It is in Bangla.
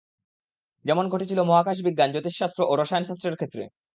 যেমন ঘটেছিল মহাকাশ বিজ্ঞান, জ্যোতিষশাস্ত্র ও রসায়ন শাস্ত্রের ক্ষেত্রে।